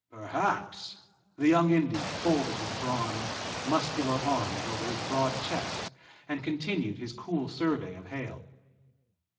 "Perhaps!" The young Indian folded his bronze, muscular arms over his broad chest and continued his cool survey of Hale.